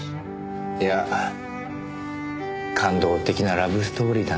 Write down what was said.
いや感動的なラブストーリーだなぁと思って。